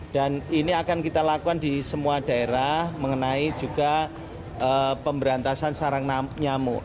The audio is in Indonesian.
dan ini akan kita lakukan di semua daerah mengenai juga pemberantasan sarang nyamuk